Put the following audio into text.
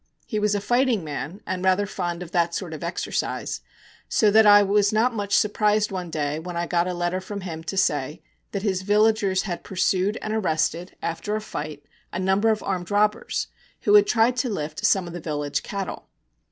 He was a fighting man, and rather fond of that sort of exercise; so that I was not much surprised one day when I got a letter from him to say that his villagers had pursued and arrested, after a fight, a number of armed robbers, who had tried to lift some of the village cattle.